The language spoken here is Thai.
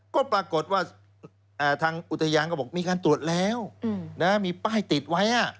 ก็ปรากฏว่าทางอุทยานก็บอกมีการตรวจแล้วมีป้ายติดไว้